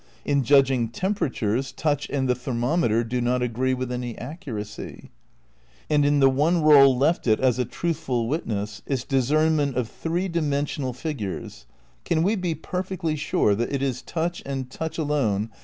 In judging temperatures touch and the thermometer do not agree with any accuracy. And in the one role left it as a truthful witness, its discernment of three dimensional figures, can we be perfectly sure that it is touch and touch alone that is ^ Even this must be admitted with reservations.